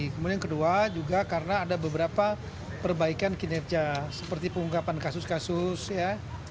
kemudian kedua juga karena ada beberapa perbaikan kinerja seperti pengungkapan kasus kasus ya